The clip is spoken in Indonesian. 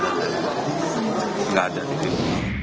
gak ada di film